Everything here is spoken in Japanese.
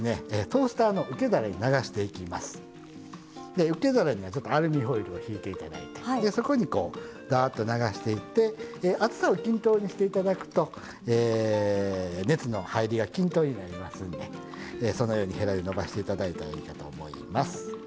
で受け皿にはちょっとアルミホイルをひいて頂いてでそこにこうだっと流していって厚さを均等にして頂くと熱の入りが均等になりますんでそのようにヘラでのばして頂いたらいいかと思います。